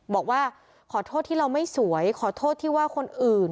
บอกว่าขอโทษที่เราไม่สวยขอโทษที่ว่าคนอื่น